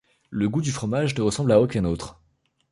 Le goût du fromage ne ressemble à aucun autre.